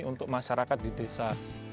untuk masyarakat di desa